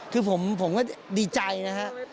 คือผมก็ดีใจนะครับ